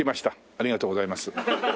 ありがとうございます。